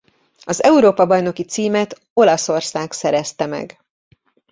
Az Európa-bajnoki címet Olaszország szerezte meg.